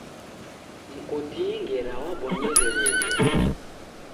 Mkotie ngera wabonyere huwo